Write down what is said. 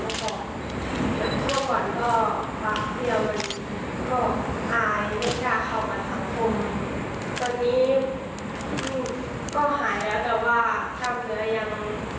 แต่ว่าอีกสักคราวตลอดและหายละโดยจริงใจตอนเธอคงขอบคุณครับ